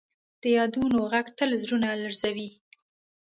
د یادونو ږغ تل زړونه لړزوي.